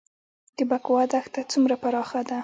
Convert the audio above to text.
د بکوا دښته څومره پراخه ده؟